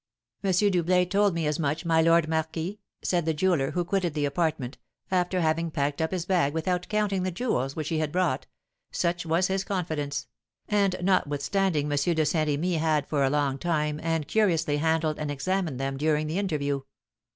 "M. Doublet told me as much, my lord marquis," said the jeweller, who quitted the apartment, after having packed up his bag without counting the jewels which he had brought (such was his confidence), and notwithstanding M. de Saint Remy had for a long time and curiously handled and examined them during the interview.